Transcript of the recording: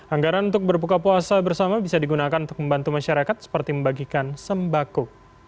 anggaran untuk berbuka puasa bersama bisa digunakan untuk membantu masyarakat seperti membagikan sembako